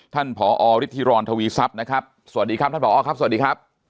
ผอฤทธิรทวีทรัพย์นะครับสวัสดีครับท่านผอครับสวัสดีครับ